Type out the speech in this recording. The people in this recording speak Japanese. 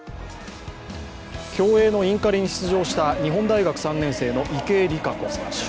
競泳のインカレに出場した日本大学３年生の池江璃花子選手。